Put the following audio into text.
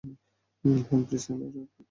Humphreys নামের এক লোক।